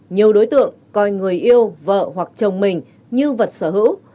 nhiều đối tượng coi người yêu vợ hoặc chồng mình như vật sở hữu